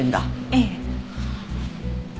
ええ。